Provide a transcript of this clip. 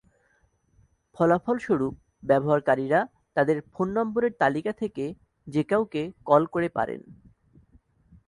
ফলাফলস্বরূপ ব্যবহারকারীরা তাদের ফোন নম্বরের তালিকা থেকে যে কাউকে কল করে পারেন।